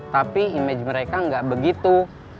tapi image mereka nggak begitu